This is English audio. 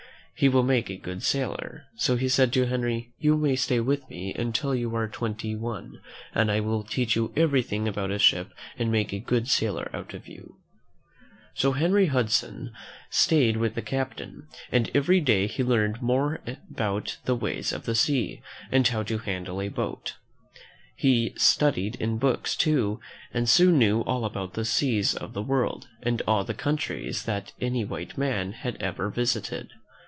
He will make a good sailor." So he said to Henry, "You stay with me until you are twenty one, and I will teach you everything about a ship and make a good sailor out of you »i So Henry Hudson stayed with the captain, and every day he learned more about the ways of the sea and how to handle a boat. He studied in books, too, and soon knew all about the seas of the world, and all the countries that any white man had ever visited.